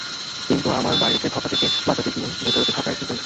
কিন্তু আমার বাইরেকে ঠকা থেকে বাঁচাতে গিয়ে ভিতরকে ঠকাই কী করে?